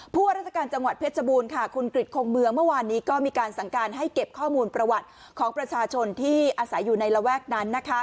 ว่าราชการจังหวัดเพชรบูรณ์คุณกริจคงเมืองเมื่อวานนี้ก็มีการสั่งการให้เก็บข้อมูลประวัติของประชาชนที่อาศัยอยู่ในระแวกนั้น